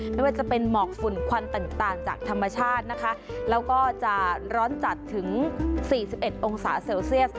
ไม่ว่าจะเป็นหมอกฝุ่นควันต่างจากธรรมชาตินะคะแล้วก็จะร้อนจัดถึง๔๑องศาเซลเซียส